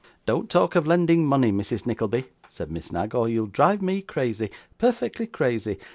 'Don't talk of lending money, Mrs. Nickleby,' said Miss Knag, 'or you'll drive me crazy, perfectly crazy.